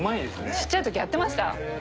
ちっちゃい時やってました。